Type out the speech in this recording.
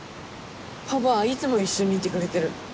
パパはいつも一緒にいてくれてる。